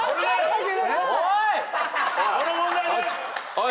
おい。